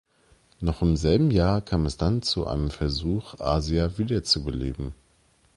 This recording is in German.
Noch im selben Jahr kam es dann zu einem Versuch, Asia wiederzubeleben.